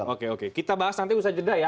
oke oke kita bahas nanti usaha jeda ya